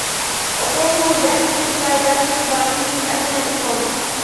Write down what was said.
وقوموا دائماً إلى جانب الضعيف من أبنائكم